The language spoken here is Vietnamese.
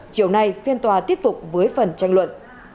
chiều nay phiên tòa tiếp tục với phần tranh luận